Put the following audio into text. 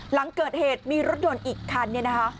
หลังเกิดเหตุมีรถยนต์อีกคันเนี่ยนะคะ